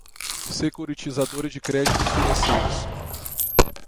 Securitizadora de Créditos Financeiros